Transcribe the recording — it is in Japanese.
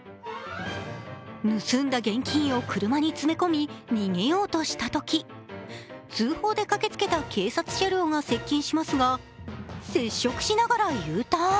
盗んだ現金を車に詰め込み逃げようとしたとき通報で駆けつけた警察車両が接近しますが、接触しながらＵターン。